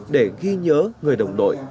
để ghi nhớ người đồng đội